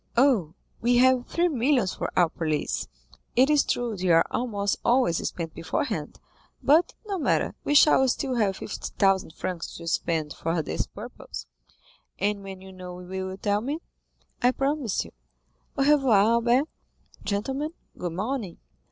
"Oh, we have three millions for our police; it is true they are almost always spent beforehand, but, no matter, we shall still have fifty thousand francs to spend for this purpose." "And when you know, will you tell me?" "I promise you. Au revoir, Albert. Gentlemen, good morning."